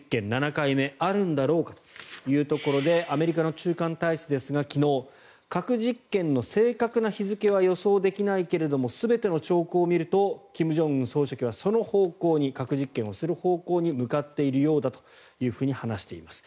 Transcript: ７回目あるんだろうかということでアメリカの駐韓大使ですが昨日核実験の正確な日付は予想できないが全ての兆候を見ると金正恩総書記はその方向に核実験をする方向に向かっているようだと話しています。